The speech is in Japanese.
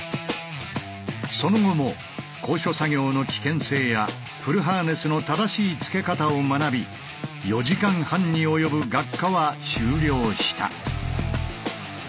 その後も高所作業の危険性やフルハーネスの正しいつけ方を学び４時間半に及ぶ学科は終了した。